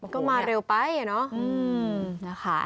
ก็มาเร็วไปนะ